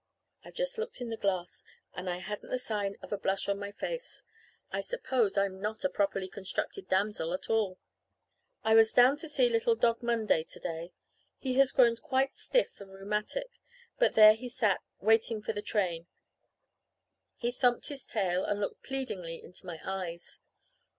"I've just looked in the glass, and I hadn't the sign of a blush on my face. I suppose I'm not a properly constructed damsel at all. "I was down to see little Dog Monday today. He has grown quite stiff and rheumatic but there he sat, waiting for the train. He thumped his tail and looked pleadingly into my eyes.